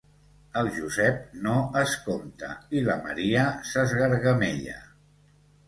El Josep no escomta i la Maria s'esgargamella